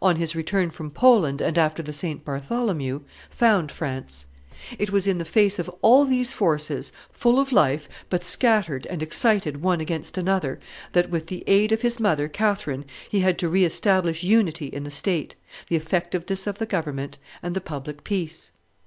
on his return from Poland, and after the St. Bartholomew, found France; it was in the face of all these forces, full of life, but scattered and excited one against another, that, with the aid of his mother, Catherine, he had to re establish unity in the state, the effectiveness of the government, and the public peace.